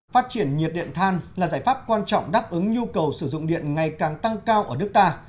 phát triển nhiệt điện than là giải pháp quan trọng đáp ứng nhu cầu sử dụng điện ngày càng tăng cao ở nước ta